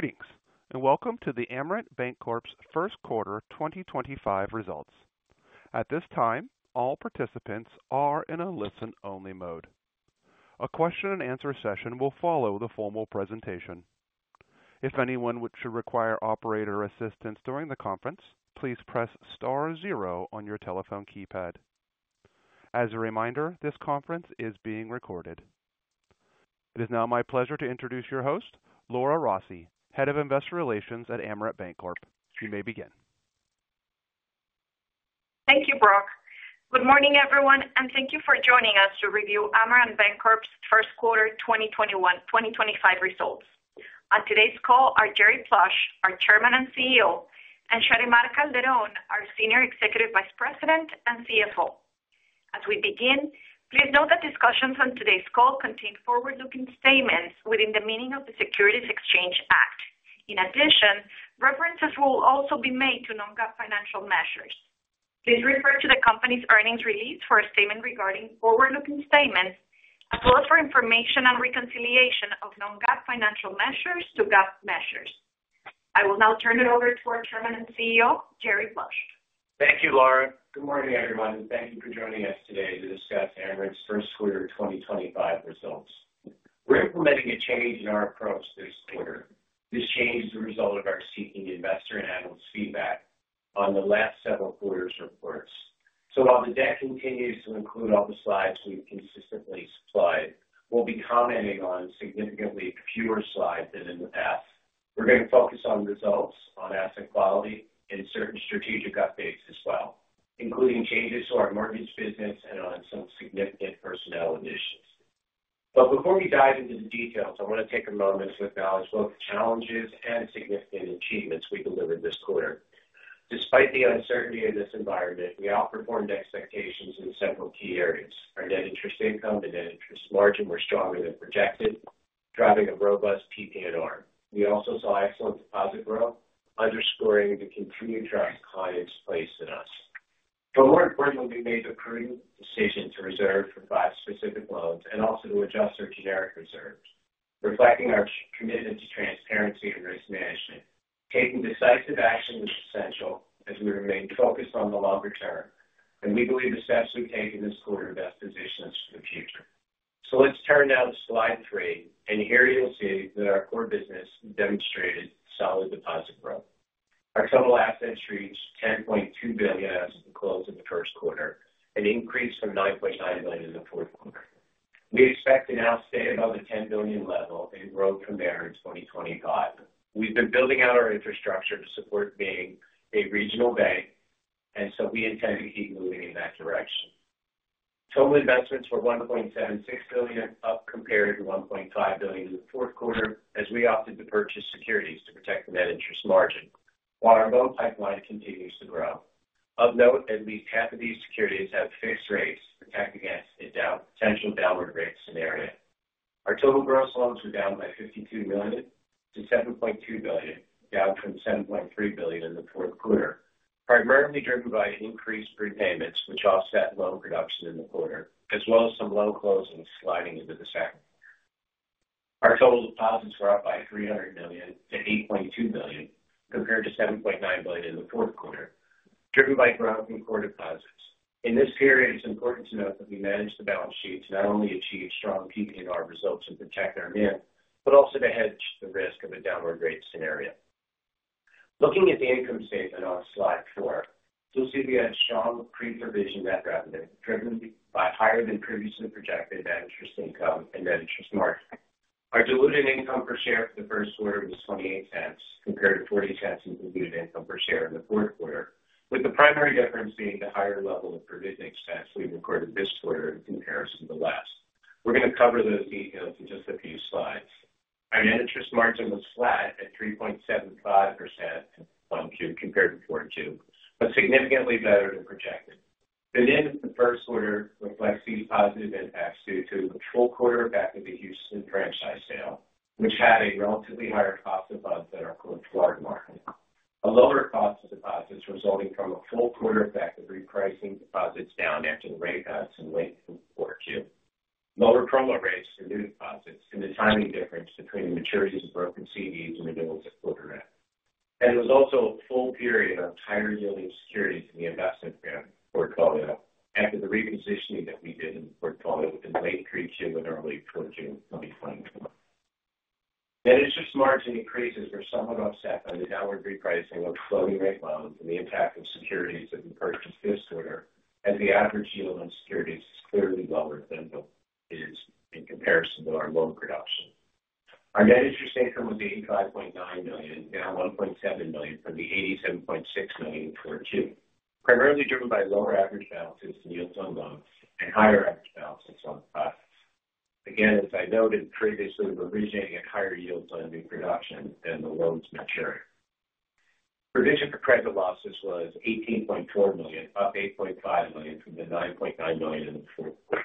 Greetings and welcome to the Amerant Bancorp's first quarter 2025 results. At this time, all participants are in a listen-only mode. A question-and-answer session will follow the formal presentation. If anyone should require operator assistance during the conference, please press star zero on your telephone keypad. As a reminder, this conference is being recorded. It is now my pleasure to introduce your host, Laura Rossi, Head of Investor Relations at Amerant Bancorp. You may begin. Thank you, Brock. Good morning, everyone, and thank you for joining us to review Amerant Bancorp's first quarter 2021-2025 results. On today's call are Jerry Plush, our Chairman and CEO, and Sharymar Calderón, our Senior Executive Vice President and CFO. As we begin, please note that discussions on today's call contain forward-looking statements within the meaning of the Securities Exchange Act. In addition, references will also be made to non-GAAP financial measures. Please refer to the company's earnings release for a statement regarding forward-looking statements, as well as for information on reconciliation of non-GAAP financial measures to GAAP measures. I will now turn it over to our Chairman and CEO, Jerry Plush. Thank you, Laura. Good morning, everyone, and thank you for joining us today to discuss Amerant's first quarter 2025 results. We're implementing a change in our approach this quarter. This change is the result of our seeking investor analyst feedback on the last several quarters' reports. While the deck continues to include all the slides we've consistently supplied, we'll be commenting on significantly fewer slides than in the past. We're going to focus on results, on asset quality, and certain strategic updates as well, including changes to our mortgage business and on some significant personnel initiatives. Before we dive into the details, I want to take a moment to acknowledge both the challenges and significant achievements we delivered this quarter. Despite the uncertainty of this environment, we outperformed expectations in several key areas. Our net interest income and net interest margin were stronger than projected, driving a robust PPNR. We also saw excellent deposit growth, underscoring the continued trust clients place in us. More importantly, we made the prudent decision to reserve for five specific loans and also to adjust our generic reserves, reflecting our commitment to transparency and risk management. Taking decisive action is essential as we remain focused on the longer term, and we believe the steps we've taken this quarter best position us for the future. Let's turn now to slide three, and here you'll see that our core business demonstrated solid deposit growth. Our total assets reached $10.2 billion as of the close of the first quarter, an increase from $9.9 billion in the fourth quarter. We expect to now stay above the $10 billion level and grow from there in 2025. We've been building out our infrastructure to support being a regional bank, and we intend to keep moving in that direction. Total investments were $1.76 billion, up compared to $1.5 billion in the fourth quarter, as we opted to purchase securities to protect the net interest margin, while our loan pipeline continues to grow. Of note, at least half of these securities have fixed rates to protect against a potential downward rate scenario. Our total gross loans were down by $52 to 7.2 billion, down from $7.3 billion in the fourth quarter, primarily driven by increased prepayments, which offset loan production in the quarter, as well as some loan closings sliding into the second quarter. Our total deposits were up by $300 to 8.2 billion, compared to $7.9 billion in the fourth quarter, driven by growth in core deposits. In this period, it's important to note that we managed the balance sheet to not only achieve strong PPNR results and protect our NIM, but also to hedge the risk of a downward rate scenario. Looking at the income statement on slide four, you'll see we had strong pre-provision net revenue, driven by higher than previously projected net interest income and net interest margin. Our diluted income per share for the first quarter was $0.28, compared to $0.40 in diluted income per share in the fourth quarter, with the primary difference being the higher level of provision expense we recorded this quarter in comparison to last. We're going to cover those details in just a few slides. Our net interest margin was flat at 3.75% on Q compared to Q4, but significantly better than projected. The NIM in the first quarter reflects these positive impacts due to the full quarter of the Houston franchise sale, which had a relatively higher cost of funds than our quarter-to-quarter market, a lower cost of deposits resulting from a full quarter of repricing deposits down after the rate cuts in late Q4, lower promo rates for new deposits, and the timing difference between the maturities of broken CDs and renewals at quarter end. There was also a full period of higher yielding securities in the investment portfolio after the repositioning that we did in the portfolio in late Q3 and early Q4 of 2024. Net interest margin increases were somewhat upset by the downward repricing of floating rate loans and the impact of securities that we purchased this quarter, as the average yield on securities is clearly lower than what it is in comparison to our loan production. Our net interest income was $85.9 million, down $1.7 million from the $87.6 million in Q4, primarily driven by lower average balances in yields on loans and higher average balances on deposits. Again, as I noted previously, we're originating at higher yields on new production than the loans mature. Provision for credit losses was $18.4 million, up $8.5 million from the $9.9 million in the fourth quarter.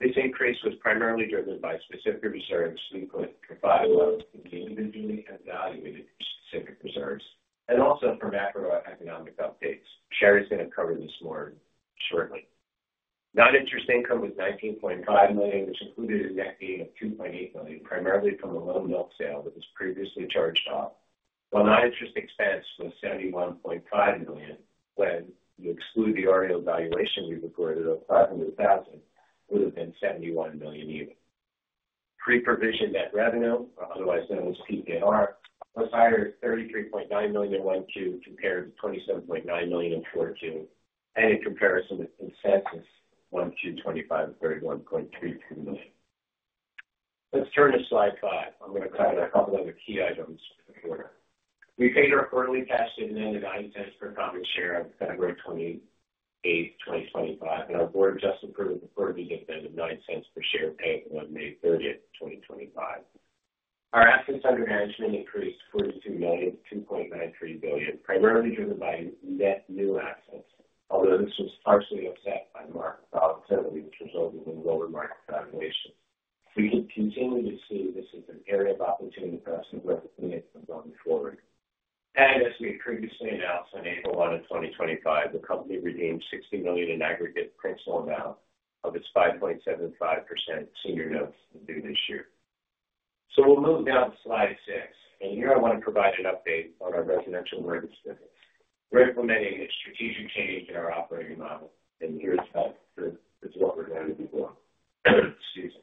This increase was primarily driven by specific reserves we put for five loans that we individually evaluated for specific reserves and also for macroeconomic updates. Sharymar is going to cover this more shortly. Non-interest income was $19.5 million, which included a net gain of $2.8 million, primarily from a loan note sale that was previously charged off, while non-interest expense was $71.5 million. When you exclude the REO valuation we recorded of $500,000, it would have been $71 million even. Pre-provision net revenue, or otherwise known as PPNR, was higher at $33.9 million in Q1 compared to $27.9 million in Q4, and in comparison, consensus Q1 to Q2, $31 to 32 million. Let's turn to slide five. I'm going to cover a couple of other key items for the quarter. We paid our quarterly cash dividend of $0.09 per common share on February 28, 2025, and our board just approved a quarterly dividend of $0.09 per share payable on May 30, 2025. Our assets under management increased $42 to 2.93 billion, primarily driven by net new assets, although this was partially offset by market volatility, which resulted in lower market valuations. We can continue to see this as an area of opportunity for us to grow the NIM going forward. As we had previously announced on April 1, 2025, the company redeemed $60 million in aggregate principal amount of its 5.75% senior notes due this year. We will move down to slide six, and here I want to provide an update on our residential mortgage business. We are implementing a strategic change in our operating model, and here is what we are going to be doing. Excuse me.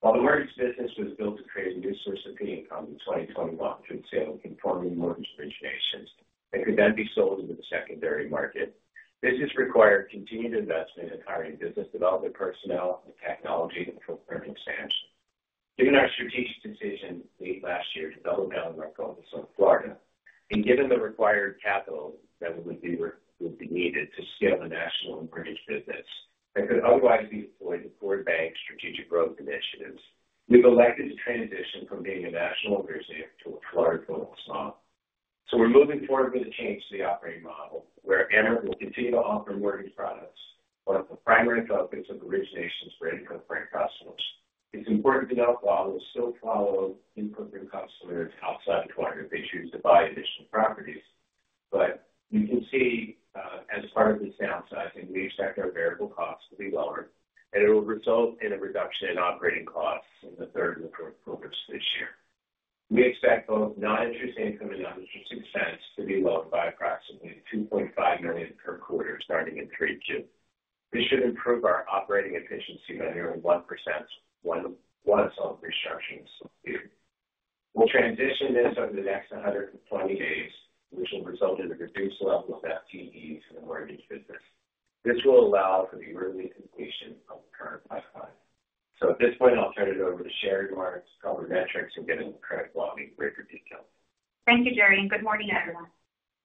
While the mortgage business was built to create a new source of income in 2021 through sale of conforming mortgage originations that could then be sold into the secondary market, this has required continued investment in hiring business development personnel, technology, and fulfillment expansion. Given our strategic decision late last year to double down on our focus on Florida, and given the required capital that would be needed to scale the national mortgage business that could otherwise be deployed to core bank strategic growth initiatives, we've elected to transition from being a national originator to a Florida focus model. We are moving forward with a change to the operating model, where Amerant will continue to offer mortgage products, but with a primary focus of originations for in-footprint customers. It's important to note, while we'll still follow income-free customers outside of Florida if they choose to buy additional properties, but you can see as part of this downsizing, we expect our variable costs to be lower, and it will result in a reduction in operating costs in the third and fourth quarters of this year. We expect both non-interest income and non-interest expense to be lowered by approximately $2.5 million per quarter starting in Q3. This should improve our operating efficiency by nearly 1% once all restructuring is completed. We'll transition this over the next 120 days, which will result in a reduced level of FTEs in the mortgage business. This will allow for the early completion of the current pipeline. At this point, I'll turn it over to Sharymar Calderón to cover metrics and get into credit quality in greater detail. Thank you, Jerry. Good morning, everyone.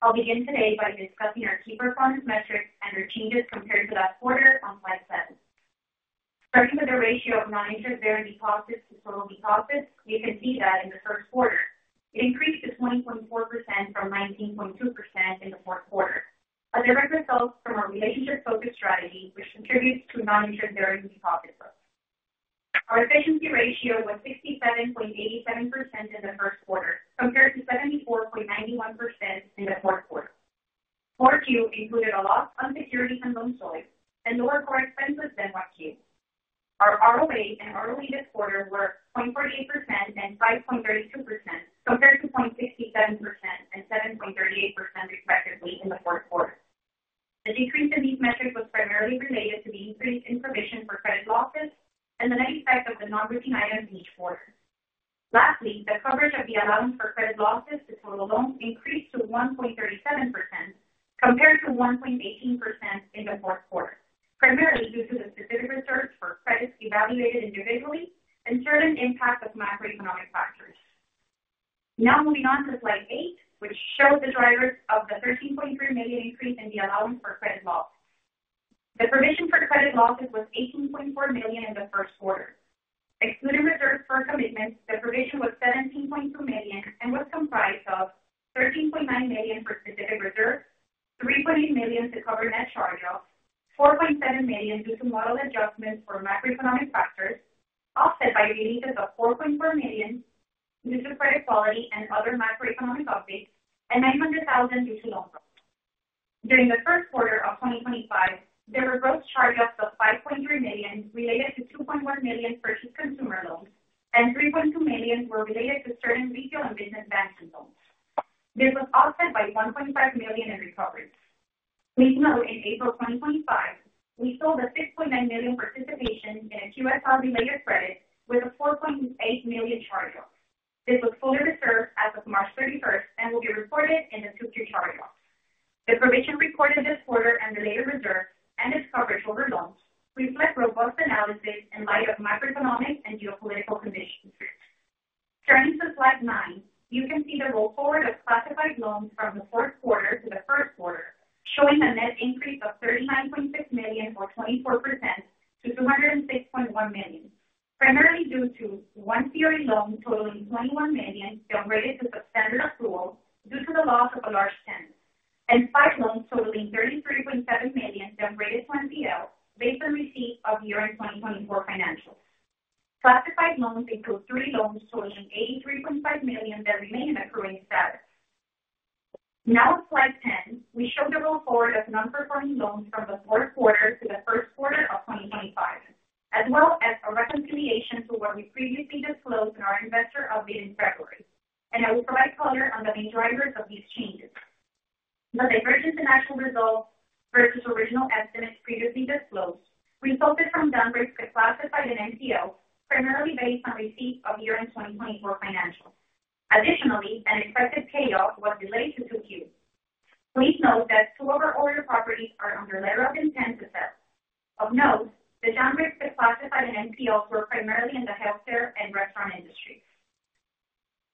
I'll begin today by discussing our key performance metrics and our changes compared to last quarter on slide seven. Starting with the ratio of non-interest bearing deposits to total deposits, we can see that in the first quarter, it increased to 20.4% from 19.2% in the fourth quarter, a direct result from our relationship-focused strategy, which contributes to non-interest bearing deposit growth. Our efficiency ratio was 67.87% in the first quarter, compared to 74.91% in the fourth quarter. Q4 included a loss on securities and loan sales and lower core expenses than Q1. Our ROA and ROE this quarter were 0.48% and 5.32%, compared to 0.67% and 7.38% respectively in the fourth quarter. The decrease in these metrics was primarily related to the increase in provision for credit losses and the net effect of the non-routine items in each quarter. Lastly, the coverage of the allowance for credit losses to total loans increased to 1.37% compared to 1.18% in the fourth quarter, primarily due to the specific reserves for credits evaluated individually and certain impacts of macroeconomic factors. Now moving on to slide eight, which shows the drivers of the $13.3 million increase in the allowance for credit losses. The provision for credit losses was $18.4 million in the first quarter. Excluding reserves for commitments, the provision was $17.2 million and was comprised of $13.9 million for specific reserves, $3.8 million to cover net charge-off, $4.7 million due to model adjustments for macroeconomic factors, offset by releases of $4.4 million due to credit quality and other macroeconomic updates, and $900,000 due to loan growth. During the first quarter of 2025, there were gross charge-offs of $5.3 million related to $2.1 million purchased consumer loans, and $3.2 million were related to certain retail and business banking loans. This was offset by $1.5 million in recovery. Please note, in April 2025, we sold a $6.9 million participation in a QSR related credit with a $4.8 million charge-off. This was fully reserved as of March 31 and will be reported in the Q2 charge-off. The provision recorded this quarter and the later reserves and its coverage over loans reflect robust analysis in light of macroeconomic and geopolitical conditions. Turning to slide nine, you can see the roll forward of classified loans from the fourth quarter to the first quarter, showing a net increase of $39.6 million, or 24%, to $206.1 million, primarily due to one CRE loan totaling $21 million downgraded to substandard accrual due to the loss of a large tenant, and five loans totaling $33.7 million downgraded to NPL based on receipt of year-end 2024 financials. Classified loans include three loans totaling $83.5 million that remain in accruing status. Now on slide 10, we show the roll forward of non-performing loans from the fourth quarter to the first quarter of 2025, as well as a reconciliation to what we previously disclosed in our investor update in February, and I will provide color on the main drivers of these changes. The divergence in actual results versus original estimates previously disclosed resulted from downgrades to classified and NPL, primarily based on receipt of year-end 2024 financials. Additionally, an expected payoff was delayed to Q2. Please note that two of our older properties are under letter of intent to sell. Of note, the downgrades to classified and NPL were primarily in the healthcare and restaurant industries.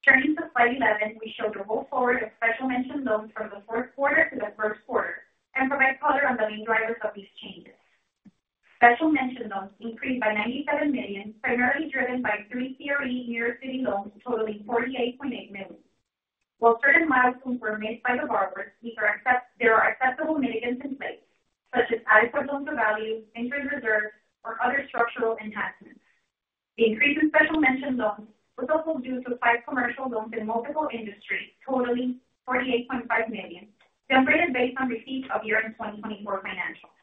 Turning to slide 11, we show the roll forward of special mention loans from the fourth quarter to the first quarter, and provide color on the main drivers of these changes. Special mention loans increased by $97 million, primarily driven by three CRE New York City loans totaling $48.8 million. While certain milestones were missed by the borrowers, there are acceptable mitigants in place, such as adequate loan-to-value, interest reserves, or other structural enhancements. The increase in special mention loans was also due to five commercial loans in multiple industries, totaling $48.5 million, downgraded based on receipt of year-end 2024 financials.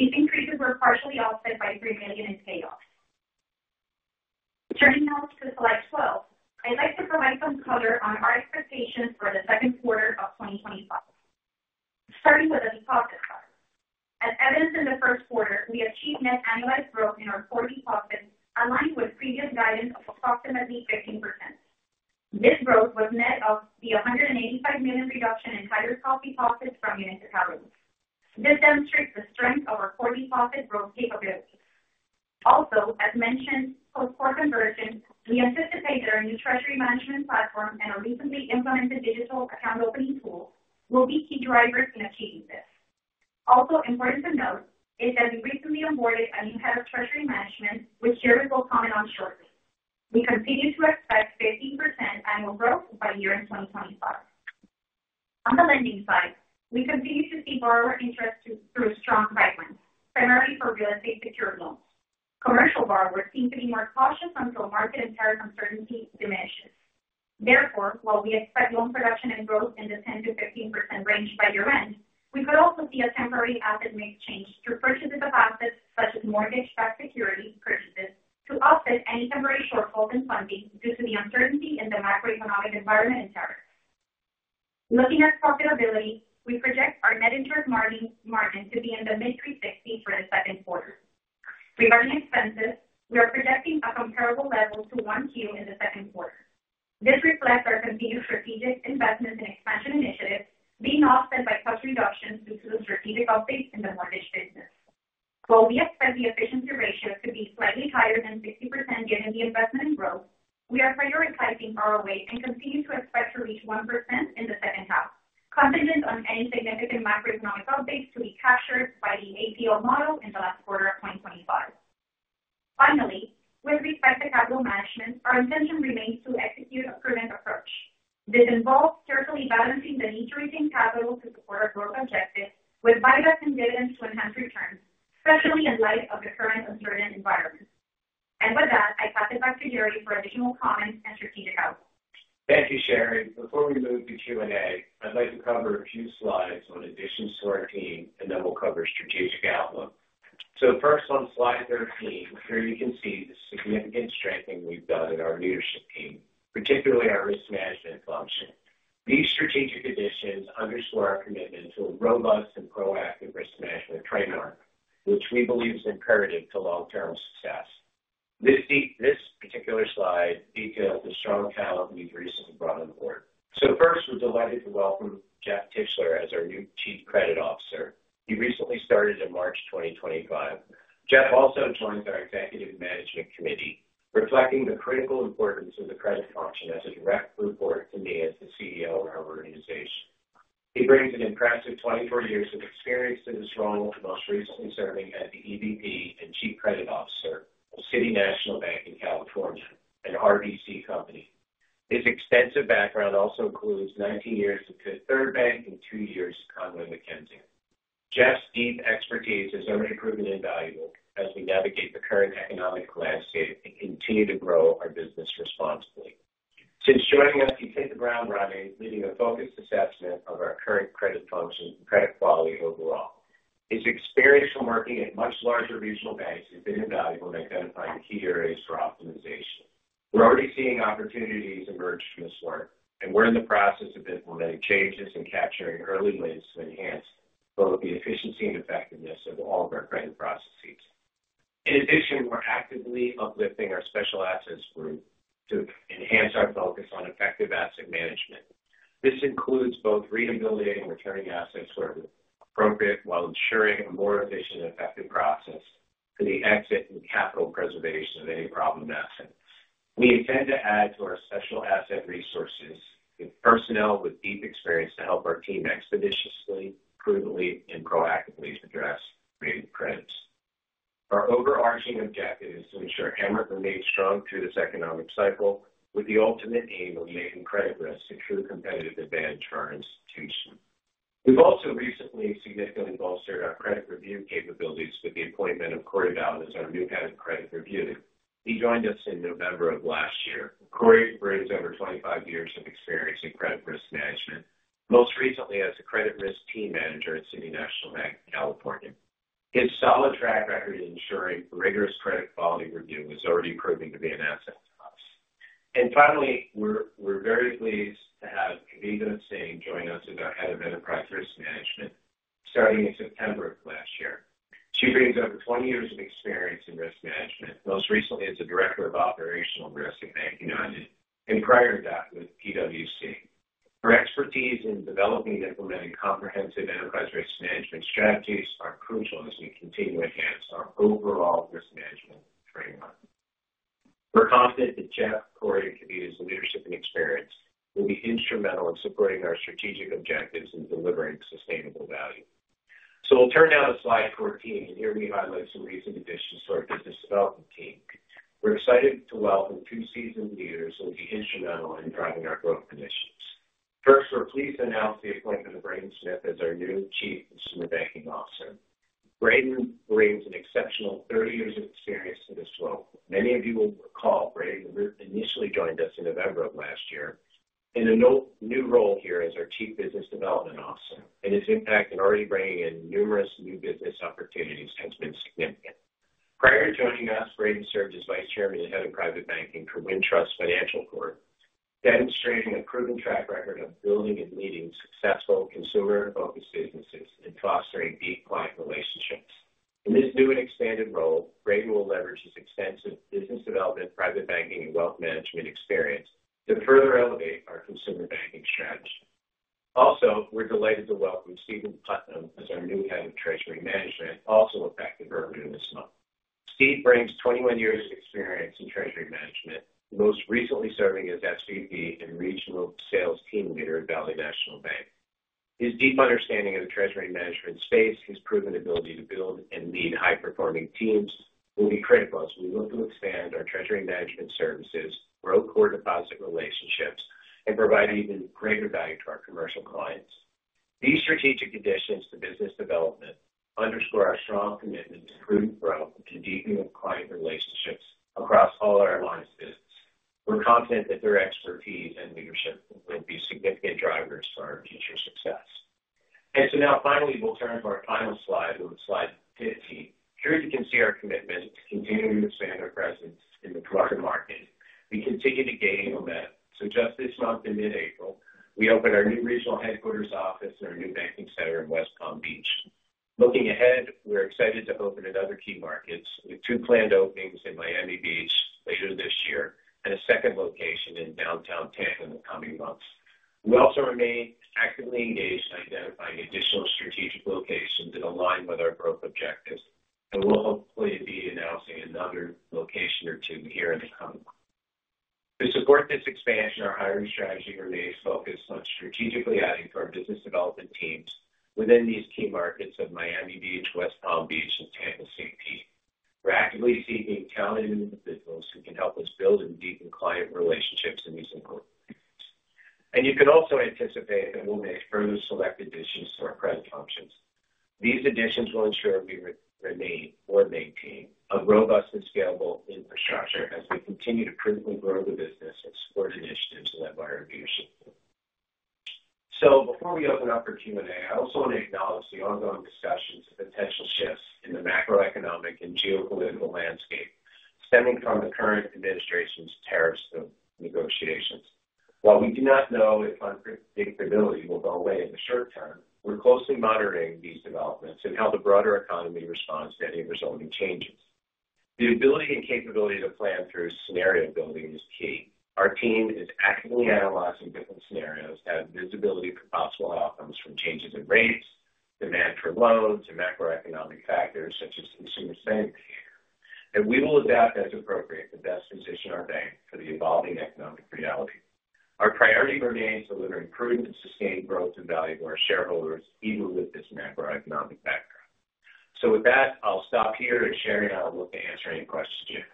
These increases were partially offset by $3 million in payoffs. Turning now to slide 12, I'd like to provide some color on our expectations for the second quarter of 2025, starting with the deposit size. As evidenced in the first quarter, we achieved net annualized growth in our core deposits, aligned with previous guidance of approximately 15%. This growth was net of the $185 million reduction in tighter stock deposits from municipalities. This demonstrates the strength of our core deposit growth capabilities. Also, as mentioned post-quarter conversion, we anticipate that our new treasury management platform and our recently implemented digital account opening tool will be key drivers in achieving this. Also, important to note is that we recently onboarded a new Head of Treasury Management, which Jerry will comment on shortly. We continue to expect 15% annual growth by year-end 2025. On the lending side, we continue to see borrower interest through strong segments, primarily for real estate secured loans. Commercial borrowers seem to be more cautious until market and tariff uncertainty diminishes. Therefore, while we expect loan production and growth in the 10%-15% range by year-end, we could also see a temporary asset mix change through purchases of assets such as mortgage-backed security purchases to offset any temporary shortfalls in funding due to the uncertainty in the macroeconomic environment and tariffs. Looking at profitability, we project our net interest margin to be in the mid-360s for the second quarter. Regarding expenses, we are projecting a comparable level to Q1 in the second quarter. This reflects our continued strategic investments and expansion initiatives being offset by cost reductions due to the strategic updates in the mortgage business. While we expect the efficiency ratio to be slightly higher than 60% given the investment and growth, we are prioritizing ROA and continue to expect to reach 1% in the second half, contingent on any significant macroeconomic updates to be captured by the ACL model in the last quarter of 2025. Finally, with respect to capital management, our intention remains to execute a prudent approach. This involves carefully balancing the need to retain capital to support our growth objectives with buybacks and dividends to enhance returns, especially in light of the current uncertain environment. I pass it back to Jerry for additional comments and strategic outlook. Thank you, Sherry. Before we move to Q&A, I'd like to cover a few slides on additions to our team, and then we'll cover strategic outlook. First, on slide 13, here you can see the significant strengthening we've done in our leadership team, particularly our risk management function. These strategic additions underscore our commitment to a robust and proactive risk management framework, which we believe is imperative to long-term success. This particular slide details the strong talent we've recently brought on board. First, we're delighted to welcome Jeff Tischler as our new Chief Credit Officer. He recently started in March 2025. Jeff also joins our Executive Management Committee, reflecting the critical importance of the credit function as a direct report to me as the CEO of our organization. He brings an impressive 24 years of experience to this role, most recently serving as the EVP and Chief Credit Officer of City National Bank in California, an RBC company. His extensive background also includes 19 years at Fifth Third Bank and two years at Conway MacKenzie. Jeff's deep expertise has only proven invaluable as we navigate the current economic landscape and continue to grow our business responsibly. Since joining us, he's hit the ground running, leading a focused assessment of our current credit function and credit quality overall. His experience from working at much larger regional banks has been invaluable in identifying key areas for optimization. We're already seeing opportunities emerge from this work, and we're in the process of implementing changes and capturing early wins to enhance both the efficiency and effectiveness of all of our credit processes. In addition, we're actively uplifting our special assets group to enhance our focus on effective asset management. This includes both rehabilitating and returning assets where appropriate while ensuring a more efficient and effective process for the exit and capital preservation of any problem assets. We intend to add to our special asset resources with personnel with deep experience to help our team expeditiously, prudently, and proactively address creative credits. Our overarching objective is to ensure Amerant remains strong through this economic cycle, with the ultimate aim of making credit risk a true competitive advantage for our institution. We've also recently significantly bolstered our credit review capabilities with the appointment of Corey Ballard as our new Head of Credit Review. He joined us in November of last year. Cory brings over 25 years of experience in credit risk management, most recently as a credit risk team manager at City National Bank in California. His solid track record in ensuring rigorous credit quality review is already proving to be an asset to us. We are very pleased to have Kavita Singh join us as our Head of Enterprise Risk Management, starting in September of last year. She brings over 20 years of experience in risk management, most recently as a director of operational risk at BankUnited, and prior to that with PwC. Her expertise in developing and implementing comprehensive enterprise risk management strategies is crucial as we continue to enhance our overall risk management framework. We are confident that Jeff, Cory, and Kavita's leadership and experience will be instrumental in supporting our strategic objectives and delivering sustainable value. We'll turn now to slide 14, and here we highlight some recent additions to our business development team. We're excited to welcome two seasoned leaders who will be instrumental in driving our growth initiatives. First, we're pleased to announce the appointment of Braden Smith as our new Chief Consumer Banking Officer. Braden brings an exceptional 30 years of experience to this role. Many of you will recall Braden initially joined us in November of last year in a new role here as our Chief Business Development Officer, and his impact in already bringing in numerous new business opportunities has been significant. Prior to joining us, Braden served as vice chairman and head of private banking for Wintrust Financial Corp, demonstrating a proven track record of building and leading successful consumer-focused businesses and fostering deep client relationships. In this new and expanded role, Braden will leverage his extensive business development, private banking, and wealth management experience to further elevate our consumer banking strategy. Also, we're delighted to welcome Stephen Putnam as our new Head of Treasury Management, also effective earlier this month. Steve brings 21 years of experience in treasury management, most recently serving as SVP and regional sales team leader at Valley National Bank. His deep understanding of the treasury management space, his proven ability to build and lead high-performing teams will be critical as we look to expand our treasury management services, grow core deposit relationships, and provide even greater value to our commercial clients. These strategic additions to business development underscore our strong commitment to prudent growth and deepening of client relationships across all our lines of business. We're confident that their expertise and leadership will be significant drivers for our future success. Now finally, we'll turn to our final slide on slide 15. Here you can see our commitment to continuing to expand our presence in the broader market. We continue to gain momentum. Just this month in mid-April, we opened our new regional headquarters office and our new banking center in West Palm Beach. Looking ahead, we're excited to open in other key markets with two planned openings in Miami Beach later this year and a second location in downtown Tampa in the coming months. We also remain actively engaged in identifying additional strategic locations that align with our growth objectives, and we'll hopefully be announcing another location or two here in the coming months. To support this expansion, our hiring strategy remains focused on strategically adding to our business development teams within these key markets of Miami Beach, West Palm Beach, and Tampa. We're actively seeking talented individuals who can help us build and deepen client relationships in these important clients. You can also anticipate that we'll make further select additions to our credit functions. These additions will ensure we remain or maintain a robust and scalable infrastructure as we continue to prudently grow the business and support initiatives led by our leadership team. Before we open up for Q&A, I also want to acknowledge the ongoing discussions of potential shifts in the macroeconomic and geopolitical landscape stemming from the current administration's tariffs negotiations. While we do not know if unpredictability will go away in the short term, we're closely monitoring these developments and how the broader economy responds to any resulting changes. The ability and capability to plan through scenario building is key. Our team is actively analyzing different scenarios to have visibility for possible outcomes from changes in rates, demand for loans, and macroeconomic factors such as consumer sentiment here. We will adapt as appropriate to best position our bank for the evolving economic reality. Our priority remains to deliver prudent and sustained growth and value to our shareholders, even with this macroeconomic background. I will stop here and share in our look to answer any questions you have.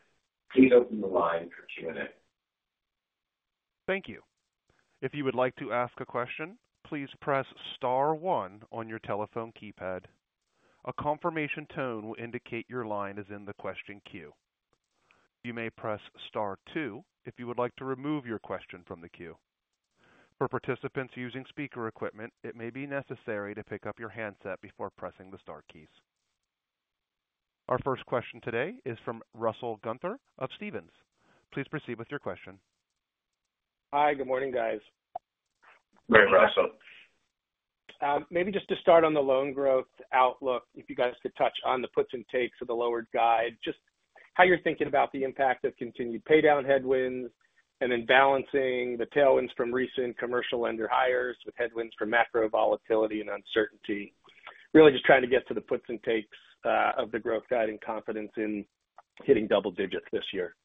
Please open the line for Q&A. Thank you. If you would like to ask a question, please press Star 1 on your telephone keypad. A confirmation tone will indicate your line is in the question queue. You may press Star 2 if you would like to remove your question from the queue. For participants using speaker equipment, it may be necessary to pick up your handset before pressing the Star keys. Our first question today is from Russell Gunther of Stephens. Please proceed with your question. Hi, good morning, guys. Great, Russell. Maybe just to start on the loan growth outlook, if you guys could touch on the puts and takes of the lowered guide, just how you're thinking about the impact of continued paydown headwinds and then balancing the tailwinds from recent commercial lender hires with headwinds from macro volatility and uncertainty. Really just trying to get to the puts and takes of the growth guide and confidence in hitting double digits this year. Yeah,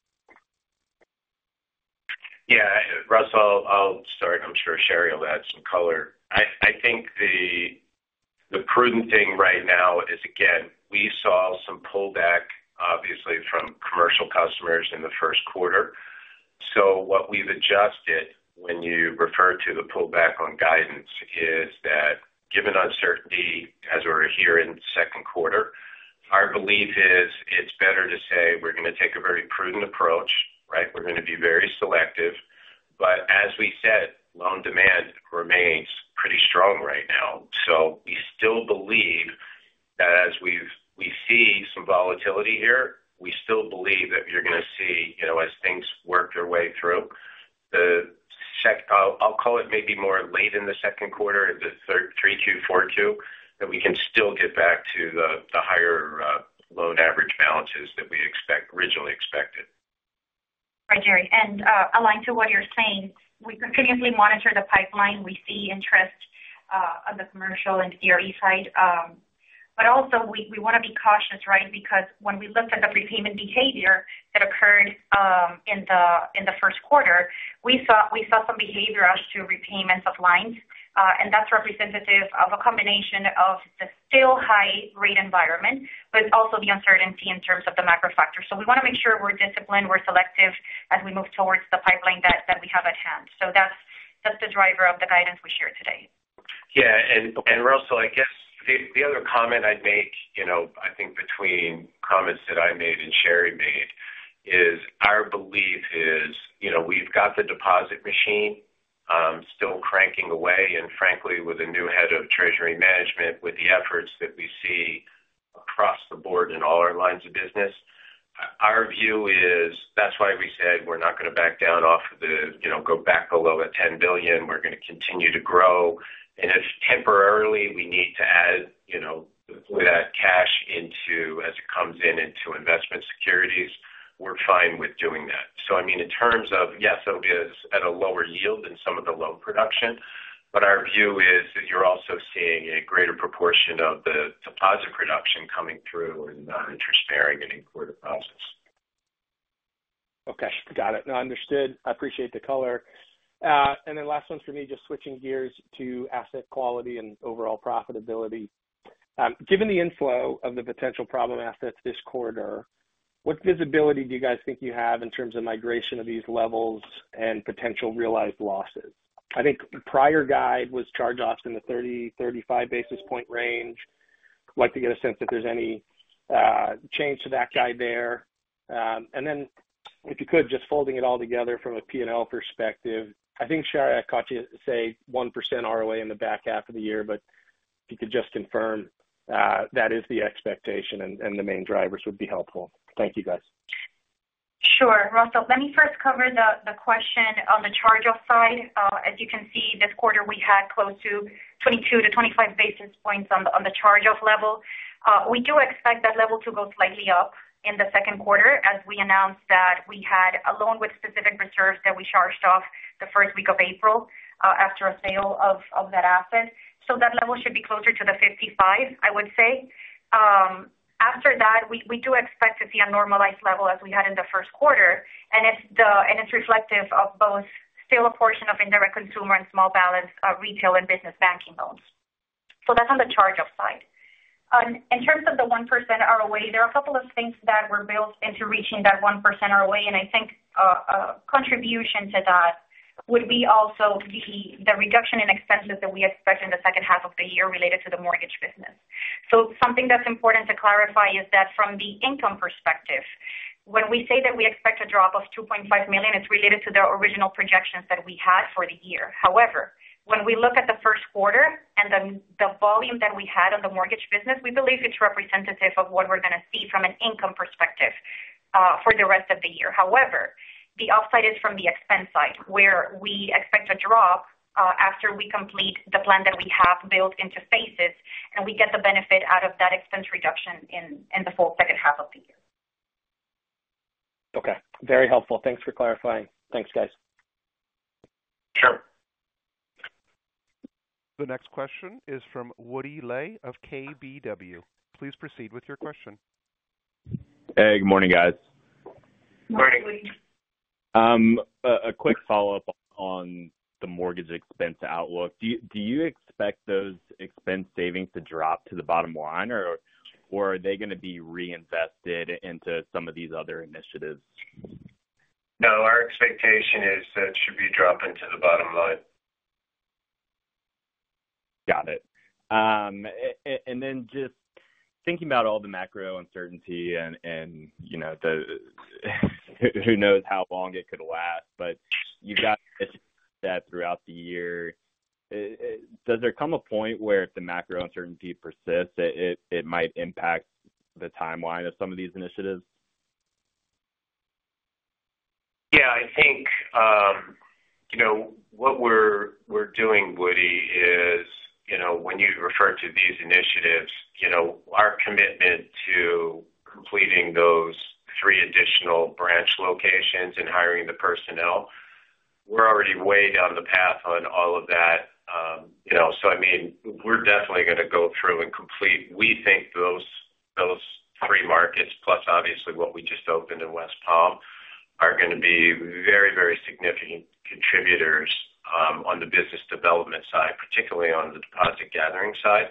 Russell, I'll start. I'm sure Sharymar will add some color. I think the prudent thing right now is, again, we saw some pullback, obviously, from commercial customers in the first quarter. What we've adjusted when you refer to the pullback on guidance is that given uncertainty as we're here in the second quarter, our belief is it's better to say we're going to take a very prudent approach, right? We're going to be very selective. As we said, loan demand remains pretty strong right now. We still believe that as we see some volatility here, we still believe that you're going to see, as things work their way through, the check, I'll call it maybe more late in the second quarter or the 3Q, 4Q, that we can still get back to the higher loan average balances that we originally expected. Hi, Jerry. Aligned to what you're saying, we continuously monitor the pipeline. We see interest on the commercial and CRE side. We want to be cautious, right? When we looked at the repayment behavior that occurred in the first quarter, we saw some behavior as to repayments of lines. That is representative of a combination of the still high rate environment, but also the uncertainty in terms of the macro factor. We want to make sure we're disciplined, we're selective as we move towards the pipeline that we have at hand. That is the driver of the guidance we shared today. Yeah. And Russell, I guess the other comment I'd make, I think between comments that I made and Sharymar made, is our belief is we've got the deposit machine still cranking away. Frankly, with a new Head of Treasury Management, with the efforts that we see across the board in all our lines of business, our view is that's why we said we're not going to back down off of the go back below a $10 billion. We're going to continue to grow. If temporarily we need to add that cash as it comes in into investment securities, we're fine with doing that. I mean, in terms of, yes, it'll be at a lower yield than some of the loan production, but our view is that you're also seeing a greater proportion of the deposit production coming through and interest-bearing and in-core deposits. Okay. Got it. Understood. I appreciate the color. Last one for me, just switching gears to asset quality and overall profitability. Given the inflow of the potential problem assets this quarter, what visibility do you guys think you have in terms of migration of these levels and potential realized losses? I think prior guide was charged off in the 30-35 basis point range. I'd like to get a sense if there's any change to that guide there. If you could, just folding it all together from a P&L perspective, I think Shary, I caught you say 1% ROA in the back half of the year, but if you could just confirm that is the expectation and the main drivers would be helpful. Thank you, guys. Sure. Russell, let me first cover the question on the charge-off side. As you can see, this quarter we had close to 22-25 basis points on the charge-off level. We do expect that level to go slightly up in the second quarter as we announced that we had a loan with specific reserves that we charged off the first week of April after a sale of that asset. That level should be closer to 55, I would say. After that, we do expect to see a normalized level as we had in the first quarter. It is reflective of both still a portion of indirect consumer and small balance retail and business banking loans. That is on the charge-off side. In terms of the 1% ROA, there are a couple of things that were built into reaching that 1% ROA. I think a contribution to that would be also the reduction in expenses that we expect in the second half of the year related to the mortgage business. Something that's important to clarify is that from the income perspective, when we say that we expect a drop of $2.5 million, it's related to the original projections that we had for the year. However, when we look at the first quarter and the volume that we had on the mortgage business, we believe it's representative of what we're going to see from an income perspective for the rest of the year. However, the upside is from the expense side where we expect a drop after we complete the plan that we have built into phases and we get the benefit out of that expense reduction in the full second half of the year. Okay. Very helpful. Thanks for clarifying. Thanks, guys. Sure. The next question is from Woody Lay of KBW. Please proceed with your question. Hey, good morning, guys. Morning. A quick follow-up on the mortgage expense outlook. Do you expect those expense savings to drop to the bottom line, or are they going to be reinvested into some of these other initiatives? No, our expectation is that it should be dropping to the bottom line. Got it. Just thinking about all the macro uncertainty and who knows how long it could last, but you've got that throughout the year. Does there come a point where if the macro uncertainty persists, it might impact the timeline of some of these initiatives? Yeah. I think what we're doing, Woody, is when you refer to these initiatives, our commitment to completing those three additional branch locations and hiring the personnel, we're already way down the path on all of that. I mean, we're definitely going to go through and complete. We think those three markets, plus obviously what we just opened in West Palm, are going to be very, very significant contributors on the business development side, particularly on the deposit gathering side.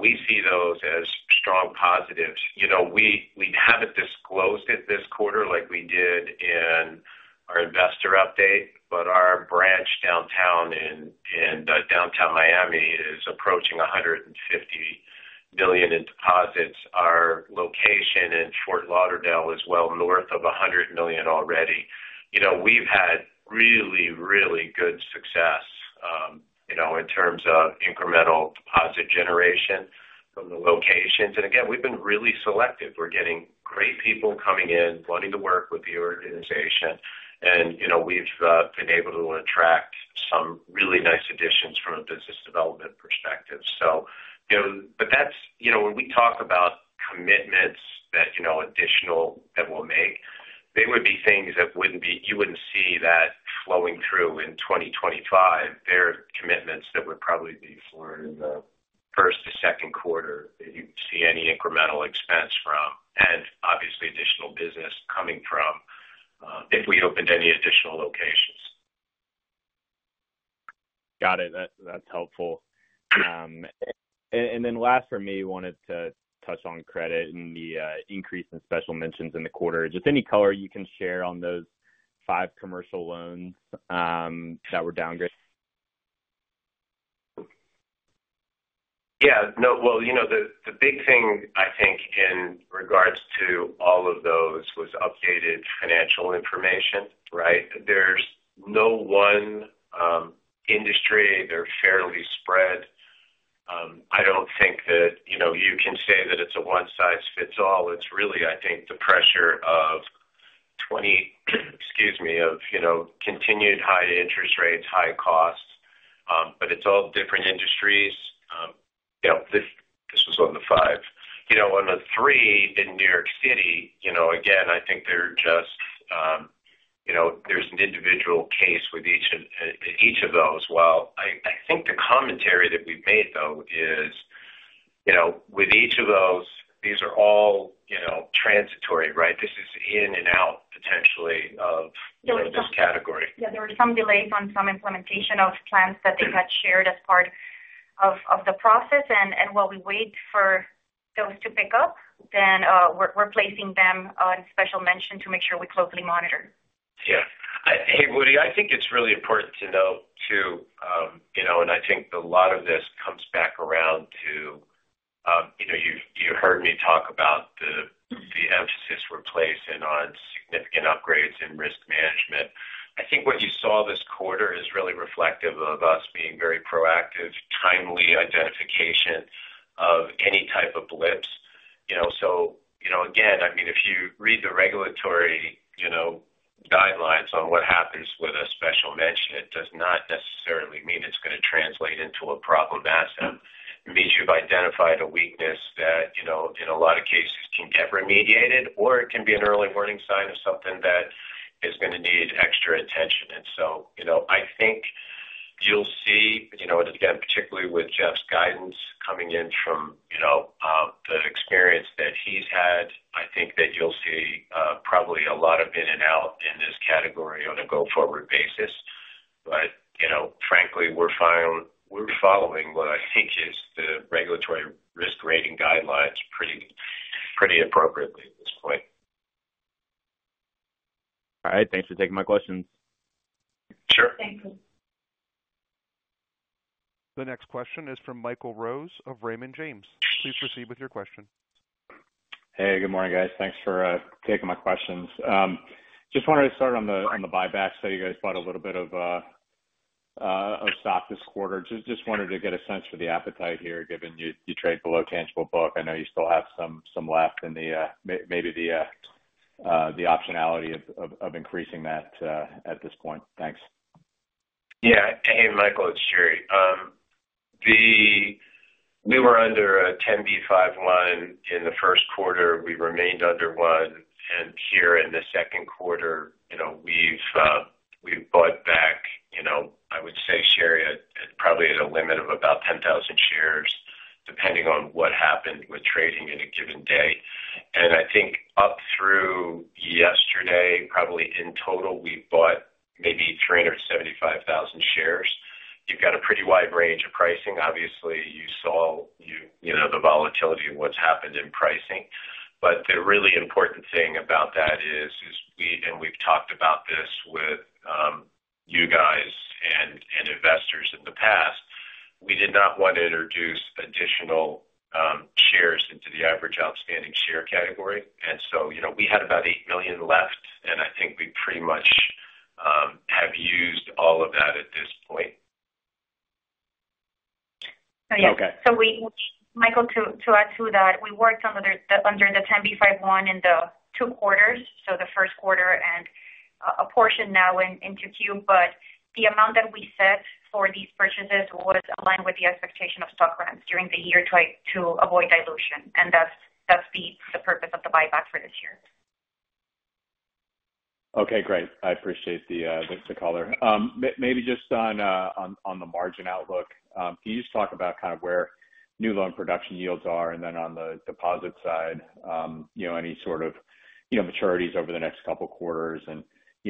We see those as strong positives. We haven't disclosed it this quarter like we did in our investor update, but our branch downtown in downtown Miami is approaching $150 million in deposits. Our location in Fort Lauderdale is well north of $100 million already. We've had really, really good success in terms of incremental deposit generation from the locations. Again, we've been really selective. We're getting great people coming in, wanting to work with the organization. We've been able to attract some really nice additions from a business development perspective. When we talk about commitments, that additional that we'll make, they would be things that you wouldn't see that flowing through in 2025. They're commitments that would probably be flowing in the first to second quarter that you'd see any incremental expense from, and obviously additional business coming from if we opened any additional locations. Got it. That's helpful. Last for me, wanted to touch on credit and the increase in special mentions in the quarter. Just any color you can share on those five commercial loans that were downgraded. Yeah. The big thing I think in regards to all of those was updated financial information, right? There's no one industry. They're fairly spread. I don't think that you can say that it's a one-size-fits-all. It's really, I think, the pressure of continued high interest rates, high costs, but it's all different industries. This was on the five. On the three in New York City, again, I think there's an individual case with each of those. I think the commentary that we've made, though, is with each of those, these are all transitory, right? This is in and out, potentially, of this category. Yeah. There were some delays on some implementation of plans that they had shared as part of the process. While we wait for those to pick up, then we're placing them on special mention to make sure we closely monitor. Yeah. Hey, Woody, I think it's really important to note too, and I think a lot of this comes back around to you heard me talk about the emphasis we're placing on significant upgrades in risk management. I think what you saw this quarter is really reflective of us being very proactive, timely identification of any type of blips. I mean, if you read the regulatory guidelines on what happens with a special mention, it does not necessarily mean it's going to translate into a problem asset. It means you've identified a weakness that in a lot of cases can get remediated, or it can be an early warning sign of something that is going to need extra attention. I think you'll see, again, particularly with Jeff's guidance coming in from the experience that he's had, I think that you'll see probably a lot of in and out in this category on a go-forward basis. Frankly, we're following what I think is the regulatory risk rating guidelines pretty appropriately at this point. All right. Thanks for taking my questions. Sure. Thank you. The next question is from Michael Rose of Raymond James. Please proceed with your question. Hey, good morning, guys. Thanks for taking my questions. Just wanted to start on the buyback. You guys bought a little bit of stock this quarter. Just wanted to get a sense for the appetite here, given you trade below tangible book. I know you still have some left in maybe the optionality of increasing that at this point. Thanks. Yeah. Hey, Michael, it's Jerry. We were under a 10b5-1 in the first quarter. We remained under one. Here in the second quarter, we've bought back, I would say, Shary, probably at a limit of about 10,000 shares, depending on what happened with trading in a given day. I think up through yesterday, probably in total, we bought maybe 375,000 shares. You've got a pretty wide range of pricing. Obviously, you saw the volatility of what's happened in pricing. The really important thing about that is, and we've talked about this with you guys and investors in the past, we did not want to introduce additional shares into the average outstanding share category. We had about 8 million left, and I think we pretty much have used all of that at this point. Michael, to add to that, we worked under the 10b5-1 in the two quarters, so the first quarter and a portion now into Q. The amount that we set for these purchases was aligned with the expectation of stock runs during the year to avoid dilution. That's the purpose of the buyback for this year. Okay. Great. I appreciate the color. Maybe just on the margin outlook, can you just talk about kind of where new loan production yields are? On the deposit side, any sort of maturities over the next couple of quarters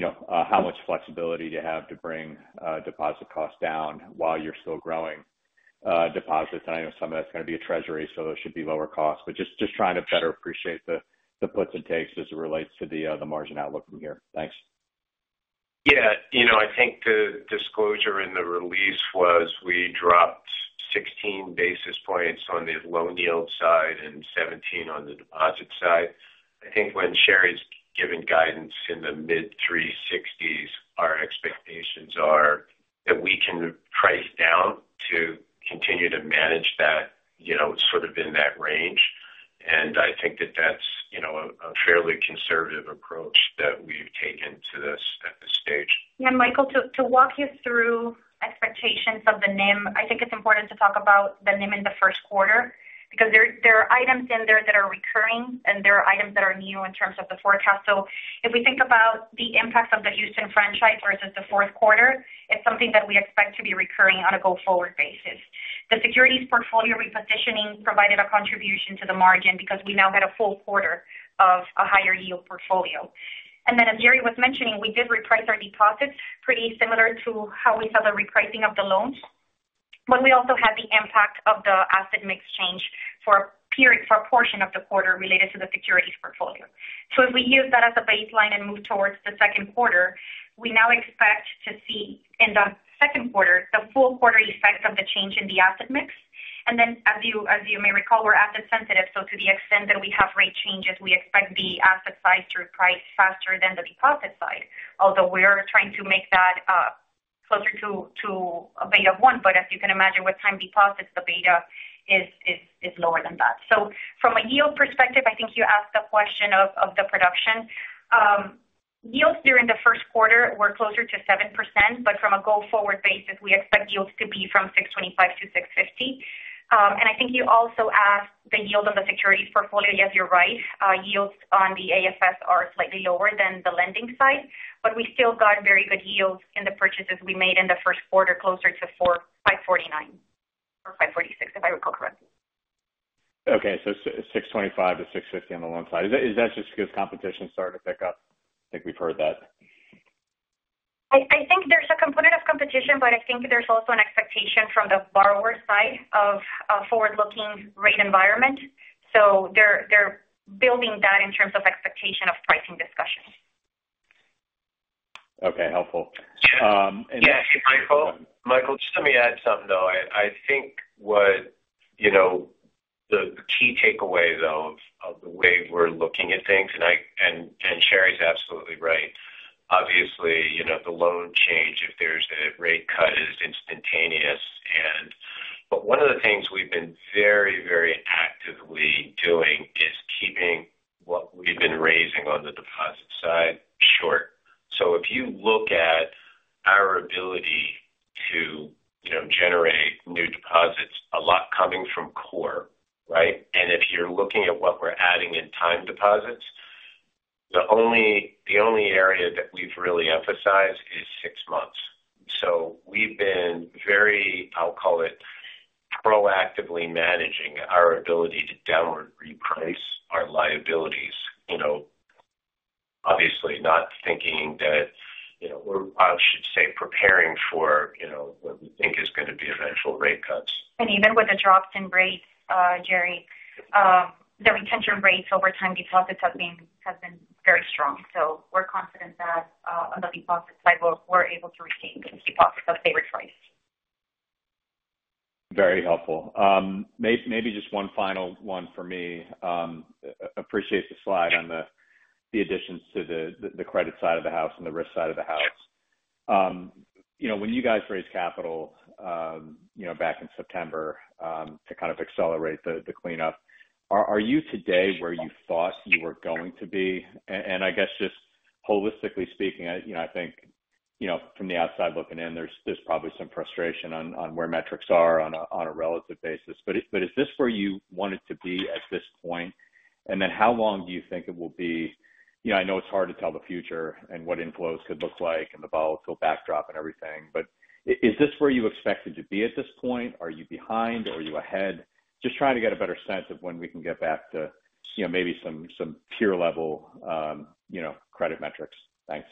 and how much flexibility you have to bring deposit costs down while you're still growing deposits? I know some of that's going to be a treasury, so those should be lower costs. Just trying to better appreciate the puts and takes as it relates to the margin outlook from here. Thanks. Yeah. I think the disclosure in the release was we dropped 16 basis points on the loan yield side and 17 on the deposit side. I think when Shary's given guidance in the mid-360s, our expectations are that we can price down to continue to manage that sort of in that range. I think that that's a fairly conservative approach that we've taken to this at this stage. Yeah. Michael, to walk you through expectations of the NIM, I think it's important to talk about the NIM in the first quarter because there are items in there that are recurring, and there are items that are new in terms of the forecast. If we think about the impact of the Houston franchise versus the fourth quarter, it's something that we expect to be recurring on a go-forward basis. The securities portfolio repositioning provided a contribution to the margin because we now had a full quarter of a higher yield portfolio. As Jerry was mentioning, we did reprice our deposits pretty similar to how we saw the repricing of the loans. We also had the impact of the asset mix change for a portion of the quarter related to the securities portfolio. If we use that as a baseline and move towards the second quarter, we now expect to see in the second quarter the full quarter effect of the change in the asset mix. As you may recall, we're asset sensitive. To the extent that we have rate changes, we expect the asset side to reprice faster than the deposit side, although we are trying to make that closer to a beta of one. As you can imagine, with time deposits, the beta is lower than that. From a yield perspective, I think you asked the question of the production. Yields during the first quarter were closer to 7%, but from a go-forward basis, we expect yields to be from 6.25% to 6.5%. I think you also asked the yield on the securities portfolio. Yes, you're right. Yields on the AFS are slightly lower than the lending side, but we still got very good yields in the purchases we made in the first quarter closer to 5.49 or 5.46, if I recall correctly. Okay. $625-$650 on the loan side. Is that just because competition started to pick up? I think we've heard that. I think there's a component of competition, but I think there's also an expectation from the borrower side of a forward-looking rate environment. They are building that in terms of expectation of pricing discussion. Okay. Helpful. Yeah. Michael, just let me add something, though. I think the key takeaway, though, of the way we're looking at things, and Shary's absolutely right, obviously, the loan change, if there's a rate cut, is instantaneous. One of the things we've been very, very actively doing is keeping what we've been raising on the deposit side short. If you look at our ability to generate new deposits, a lot coming from core, right? If you're looking at what we're adding in time deposits, the only area that we've really emphasized is six months. We've been very, I'll call it, proactively managing our ability to downward reprice our liabilities, obviously not thinking that we're, I should say, preparing for what we think is going to be eventual rate cuts. Even with the drops in rates, Jerry, the retention rates over time deposits have been very strong. We are confident that on the deposit side, we are able to retain those deposits at favorite price. Very helpful. Maybe just one final one for me. Appreciate the slide on the additions to the credit side of the house and the risk side of the house. When you guys raised capital back in September to kind of accelerate the cleanup, are you today where you thought you were going to be? I guess just holistically speaking, I think from the outside looking in, there's probably some frustration on where metrics are on a relative basis. Is this where you wanted to be at this point? How long do you think it will be? I know it's hard to tell the future and what inflows could look like and the volatile backdrop and everything, but is this where you expected to be at this point? Are you behind? Are you ahead? Just trying to get a better sense of when we can get back to maybe some tier-level credit metrics. Thanks.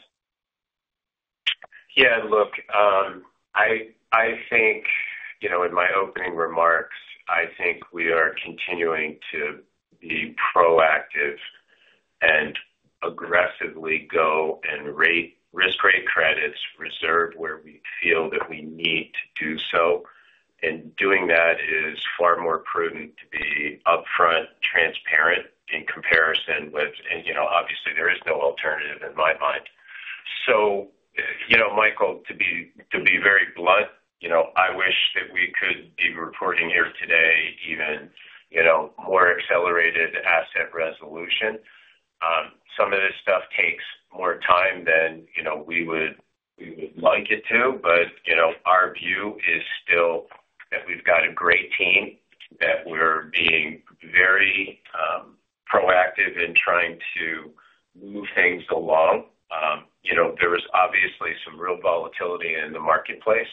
Yeah. Look, I think in my opening remarks, I think we are continuing to be proactive and aggressively go and risk-rate credits, reserve where we feel that we need to do so. Doing that is far more prudent to be upfront, transparent in comparison with, obviously, there is no alternative in my mind. Michael, to be very blunt, I wish that we could be reporting here today even more accelerated asset resolution. Some of this stuff takes more time than we would like it to, but our view is still that we've got a great team, that we're being very proactive in trying to move things along. There was obviously some real volatility in the marketplace.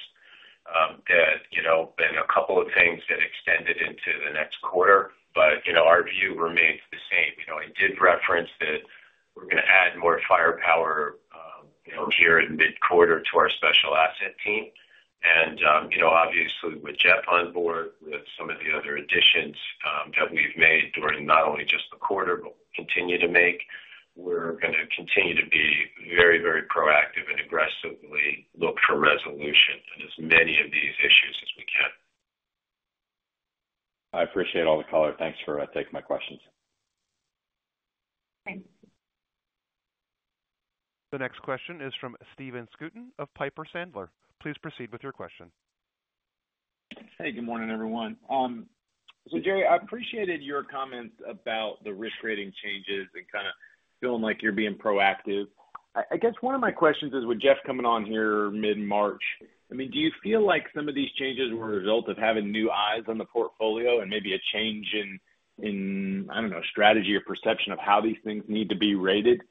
There have been a couple of things that extended into the next quarter, but our view remains the same. I did reference that we're going to add more firepower here in mid-quarter to our special asset team. Obviously, with Jeff on board, with some of the other additions that we've made during not only just the quarter, but we'll continue to make, we're going to continue to be very, very proactive and aggressively look for resolution in as many of these issues as we can. I appreciate all the color. Thanks for taking my questions. Thanks. The next question is from Stephen Scouten of Piper Sandler. Please proceed with your question. Hey, good morning, everyone. Jerry, I appreciated your comments about the risk-rating changes and kind of feeling like you're being proactive. I guess one of my questions is with Jeff coming on here mid-March, I mean, do you feel like some of these changes were a result of having new eyes on the portfolio and maybe a change in, I don't know, strategy or perception of how these things need to be rated?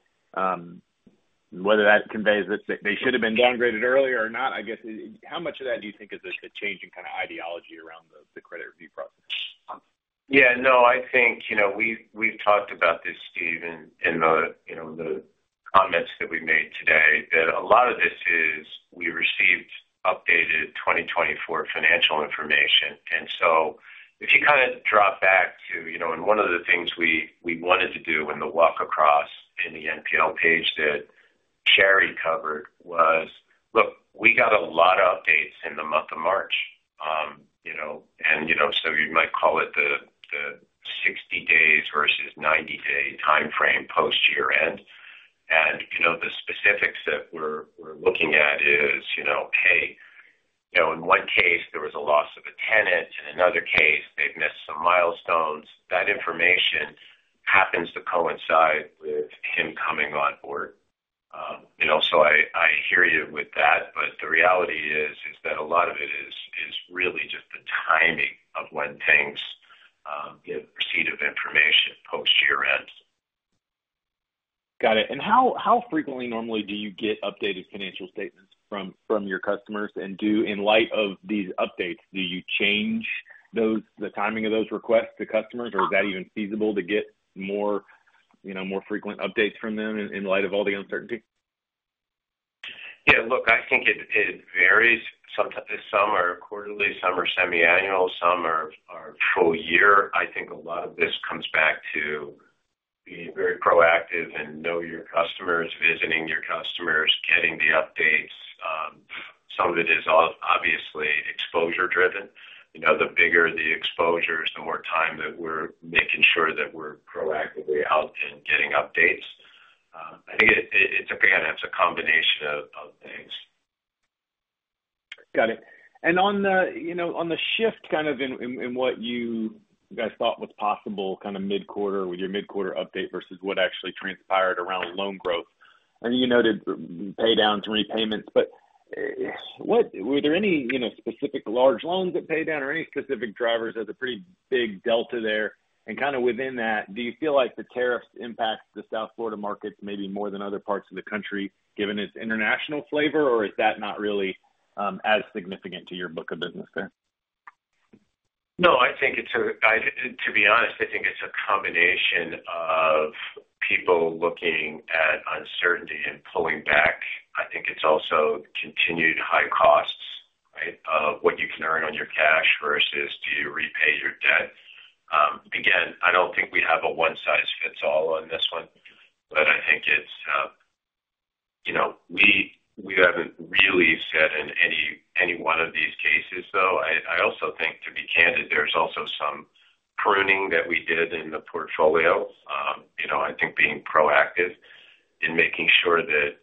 Whether that conveys that they should have been downgraded earlier or not, I guess, how much of that do you think is a change in kind of ideology around the credit review process? Yeah. No, I think we've talked about this, Stephen, in the comments that we made today, that a lot of this is we received updated 2024 financial information. If you kind of drop back to, and one of the things we wanted to do in the walk across in the NPL page that Sharymar covered was, look, we got a lot of updates in the month of March. You might call it the 60-day versus 90-day timeframe post-year end. The specifics that we're looking at is, hey, in one case, there was a loss of a tenant, and in another case, they've missed some milestones. That information happens to coincide with him coming on board. I hear you with that. The reality is that a lot of it is really just the timing of when things get a proceed of information post-year end. Got it. How frequently normally do you get updated financial statements from your customers? In light of these updates, do you change the timing of those requests to customers, or is that even feasible to get more frequent updates from them in light of all the uncertainty? Yeah. Look, I think it varies. Some are quarterly, some are semiannual, some are full-year. I think a lot of this comes back to being very proactive and know your customers, visiting your customers, getting the updates. Some of it is obviously exposure-driven. The bigger the exposure, the more time that we're making sure that we're proactively out and getting updates. I think it's a combination of things. Got it. On the shift kind of in what you guys thought was possible kind of mid-quarter with your mid-quarter update versus what actually transpired around loan growth, and you noted paydowns and repayments, were there any specific large loans that paid down or any specific drivers? There is a pretty big delta there. Within that, do you feel like the tariffs impact the South Florida market maybe more than other parts of the country given its international flavor, or is that not really as significant to your book of business there? No, I think it's a—to be honest, I think it's a combination of people looking at uncertainty and pulling back. I think it's also continued high costs, right, of what you can earn on your cash versus do you repay your debt? Again, I don't think we have a one-size-fits-all on this one, but I think it's—we haven't really said in any one of these cases, though. I also think, to be candid, there's also some pruning that we did in the portfolio. I think being proactive in making sure that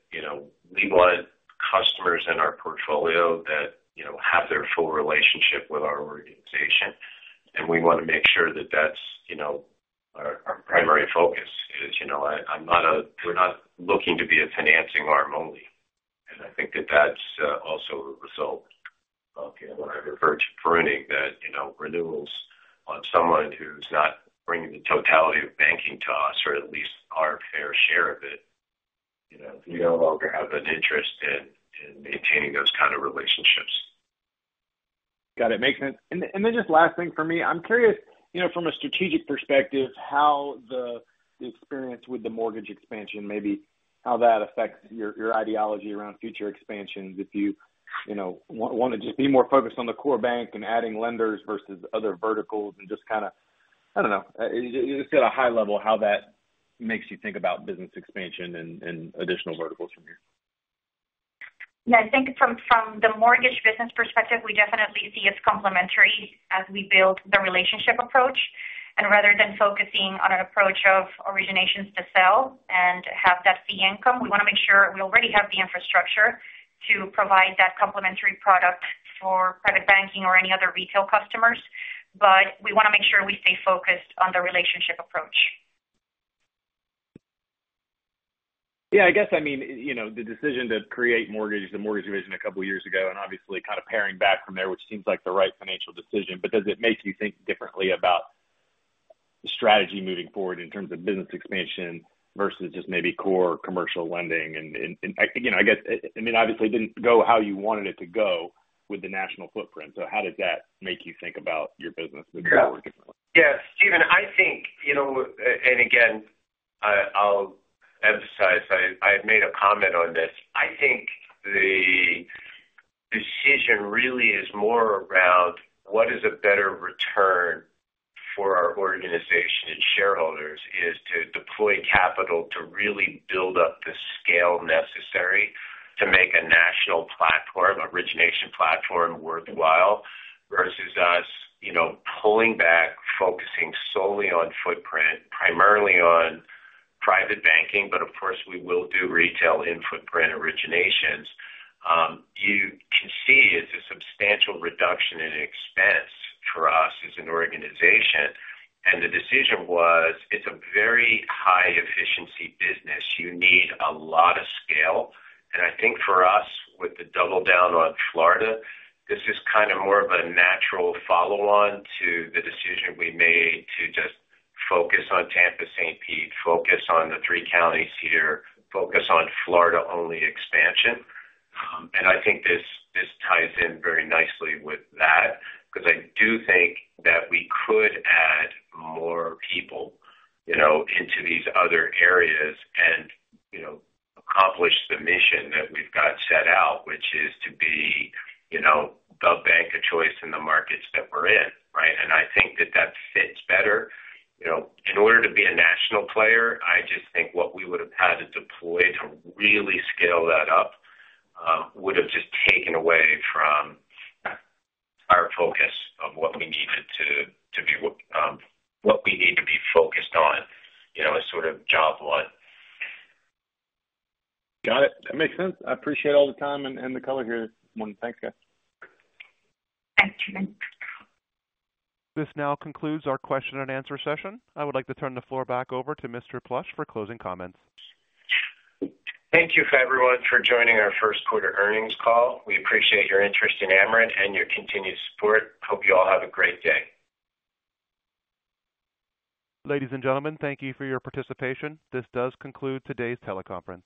we want customers in our portfolio that have their full relationship with our organization. And we want to make sure that that's our primary focus is—I'm not a—we're not looking to be a financing arm only. I think that that's also a result of what I referred to, pruning, that renewals on someone who's not bringing the totality of banking to us or at least our fair share of it. We no longer have an interest in maintaining those kind of relationships. Got it. Makes sense. Just last thing for me, I'm curious from a strategic perspective how the experience with the mortgage expansion, maybe how that affects your ideology around future expansions if you want to just be more focused on the core bank and adding lenders versus other verticals and just kind of, I don't know, just at a high level how that makes you think about business expansion and additional verticals from here. Yeah. I think from the mortgage business perspective, we definitely see it's complementary as we build the relationship approach. Rather than focusing on an approach of originations to sell and have that fee income, we want to make sure we already have the infrastructure to provide that complementary product for private banking or any other retail customers. We want to make sure we stay focused on the relationship approach. Yeah. I guess, I mean, the decision to create mortgage, the mortgage division a couple of years ago, and obviously kind of paring back from there, which seems like the right financial decision, does it make you think differently about strategy moving forward in terms of business expansion versus just maybe core commercial lending? I guess, I mean, obviously, it didn't go how you wanted it to go with the national footprint. How does that make you think about your business moving forward differently? Yeah. Stephen, I think, and again, I'll emphasize, I had made a comment on this. I think the decision really is more around what is a better return for our organization and shareholders is to deploy capital to really build up the scale necessary to make a national origination platform worthwhile versus us pulling back, focusing solely on footprint, primarily on private banking, but of course, we will do retail in-footprint originations. You can see it's a substantial reduction in expense for us as an organization. The decision was it's a very high-efficiency business. You need a lot of scale. I think for us, with the double down on Florida, this is kind of more of a natural follow-on to the decision we made to just focus on Tampa, St. Pete, focus on the three counties here, focus on Florida-only expansion. I think this ties in very nicely with that because I do think that we could add more people into these other areas and accomplish the mission that we've got set out, which is to be the bank of choice in the markets that we're in, right? I think that that fits better. In order to be a national player, I just think what we would have had to deploy to really scale that up would have just taken away from our focus of what we needed to be what we need to be focused on as sort of job one. Got it. That makes sense. I appreciate all the time and the color here. Thanks, guys. Thanks, Jerry. This now concludes our question and answer session. I would like to turn the floor back over to Mr. Plush for closing comments. Thank you for everyone for joining our first quarter earnings call. We appreciate your interest in Amerant and your continued support. Hope you all have a great day. Ladies and gentlemen, thank you for your participation. This does conclude today's teleconference.